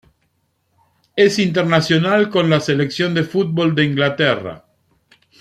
Es internacional con la selección de fútbol de Inglaterra.